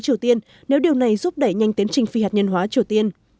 triều tiên nếu điều này giúp đẩy nhanh tiến trình phi hạt nhân hóa triều tiên